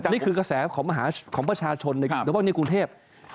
นี่คือกระแสของประชาชนในกรุงเทพฯ